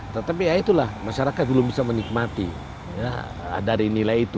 tetapi ya itulah masyarakat belum bisa menikmati dari nilai itu